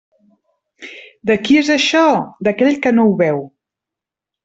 De qui és això? D'aquell que no ho veu.